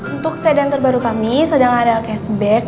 untuk sedan terbaru kami sedang ada cashback